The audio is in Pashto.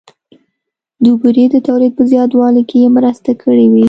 د بورې د تولید په زیاتوالي کې یې مرسته کړې وي